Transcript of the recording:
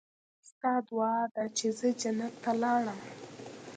ستا دعا ده چې زه جنت ته لاړم.